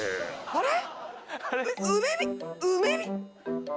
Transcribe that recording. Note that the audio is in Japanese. あれ？